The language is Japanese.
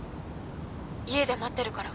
家で待ってるから。